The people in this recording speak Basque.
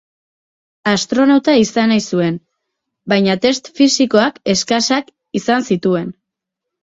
Astronauta izan nahi zuen, baina test fisikoak eskasak izan zituen.